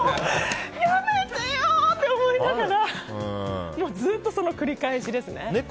やめてよ！って思いながらずっとその繰り返しですね。